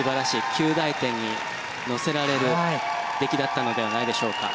及第点に乗せられる出来だったのではないでしょうか。